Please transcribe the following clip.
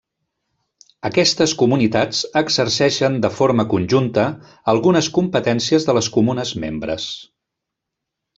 Aquestes comunitats exerceixen de forma conjunta algunes competències de les Comunes membres.